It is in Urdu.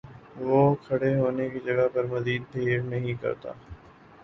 وہ کھڑے ہونے کی جگہ پر مزید بھیڑ نہیں کرتا ہے